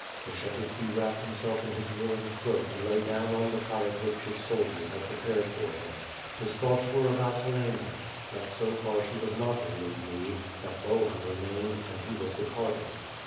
.." Skshetuski wrapped himself in his woolen cloak and lay down on the pallet which his soldiers had prepared for him. His thoughts were about Helena, that so far she was not in Lubni, that Bohun remained and he was departing.